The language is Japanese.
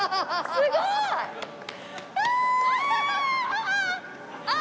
すごい！ああ！